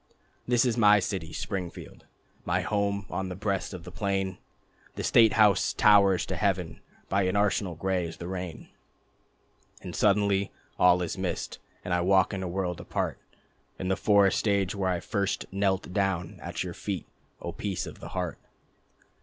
This is my city Springfield, My home on the breast of the plain. The state house towers to heaven, By an arsenal gray as the rain ... And suddenly all is mist, And I walk in a world apart, In the forest age when I first knelt down At your feet, O Peace of the Heart.